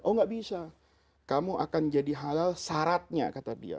oh nggak bisa kamu akan jadi halal syaratnya kata dia